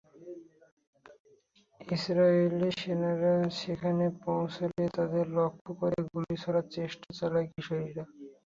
Israeli সেনারা সেখানে পৌঁছালে তাদের লক্ষ্য করে গুলি ছোড়ার চেষ্টা চালায় কিশোরেরা।